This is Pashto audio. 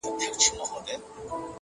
نن شپه د ټول كور چوكيداره يمه؛